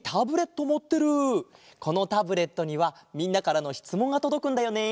このタブレットにはみんなからのしつもんがとどくんだよね。